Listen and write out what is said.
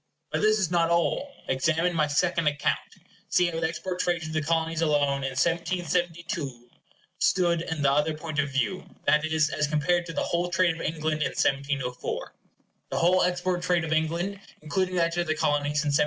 But this is not all. Examine my second account. See how the export trade to the Colonies alone in 1772 stood in the other point of view; that is, as compared to the whole trade of England in 1704:— The whole export trade of England, including that to the Colonies, in 1704.